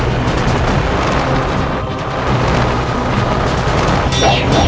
kau tidak bisa menangkap mereka sendiri